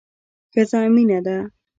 ښځه مينه ده